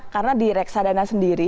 karena di reksadana sendiri